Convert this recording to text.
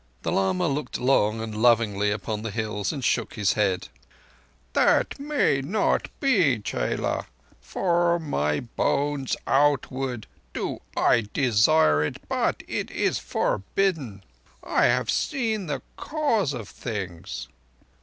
The lama looked long and lovingly upon the hills and shook his head. "That may not be, chela. From my bones outward I do desire it, but it is forbidden. I have seen the Cause of Things."